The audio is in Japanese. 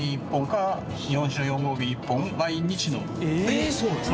えっそうなんですか！？